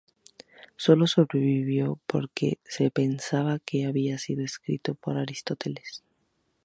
Solo sobrevivió porque se pensaba que había sido escrito por Aristóteles.